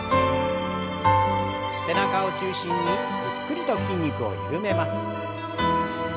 背中を中心にゆっくりと筋肉を緩めます。